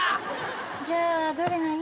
じゃあどれがいい？